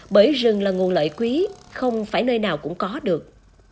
bởi rừng là nguồn lợi quý không phải nơi nào cũng có được